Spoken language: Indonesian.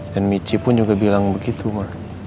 dan mici pun juga bilang begitu ma